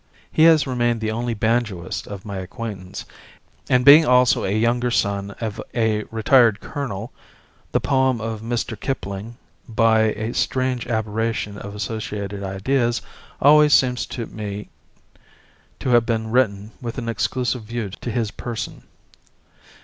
He has remained the only banjoist of my acquaintance, and being also a younger son of a retired colonel, the poem of Mr. Kipling, by a strange aberration of associated ideas, always seems to me to have been written with an exclusive view to his person.